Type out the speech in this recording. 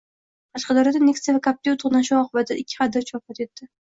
Qashqadaryoda Nexia va Captiva to‘qnashuvi oqibatida ikki haydovchi vafot etdi